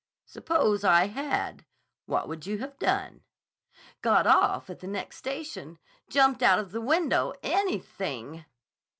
"Suppose I had. What would you have done?" "Got off at the next station. Jumped out of the window. Anything!"